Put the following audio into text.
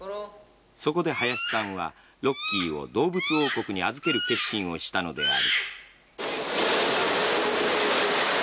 そこで、林さんはロッキーを動物王国に預ける決心をしたのである。